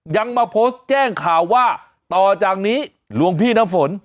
ยังมาโพสต์แจ้งข่าวว่าต่อจากนี้หลวงพี่น้ำฝน